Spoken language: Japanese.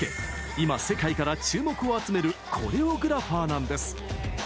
今、世界から注目を集めるコレオグラファーなんです。